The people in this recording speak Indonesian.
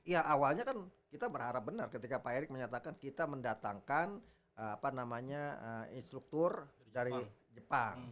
ya awalnya kan kita berharap benar ketika pak erick menyatakan kita mendatangkan instruktur dari jepang